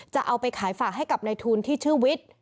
จะเอาไปขายฝากให้กับในทุนที่ชื่อวิทย์